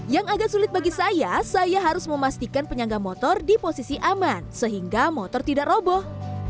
yang agak sulit bagi saya saya harus memastikan penyangga motor di posisi aman sehingga motor tidak roboh